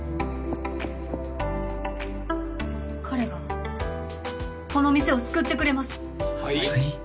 彼がこの店を救ってくれますはい？